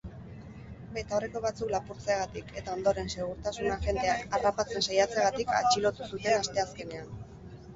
Betaurreko batzuk lapurtzeagatik eta ondoren segurtasun agenteak harrapatzen saiatzeagatik atxilotu zuten asteazkenean.